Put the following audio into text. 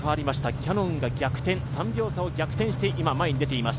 キヤノンが３秒差を逆転して今、前に出てきています。